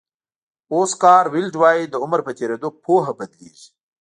اوسکار ویلډ وایي د عمر په تېرېدو پوهه بدلېږي.